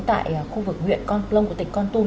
tại khu vực nguyện con plông của tỉnh con tung